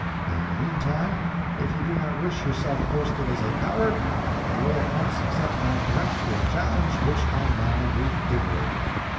In the meantime, if you do not wish yourself posted as a coward, you will at once accept my peremptory challenge, which I now reiterate.